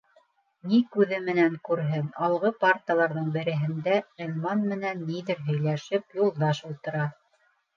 Ни күҙе менән күрһен: алғы парталарҙың береһендә, Ғилман менән ниҙер һөйләшеп, Юлдаш ултыра.